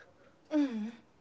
ううん。